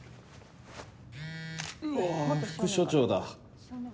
うわ副署長だ。